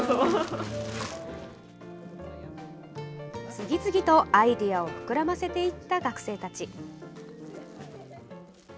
次々とアイデアを膨らませていった学生たち。